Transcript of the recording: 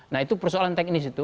nah itu persoalan teknis itu